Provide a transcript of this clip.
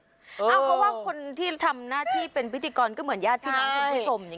เพราะว่าคนที่ทำหน้าที่เป็นพิธีกรก็เหมือนญาติพี่น้องคุณผู้ชม